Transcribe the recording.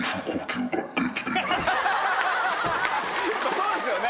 そうですよね。